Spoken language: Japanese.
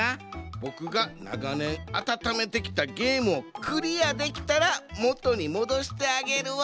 ボクがながねんあたためてきたゲームをクリアできたらもとにもどしてあげるわ。